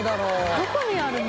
どこにあるの？